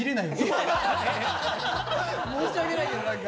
申し訳ないけど何か。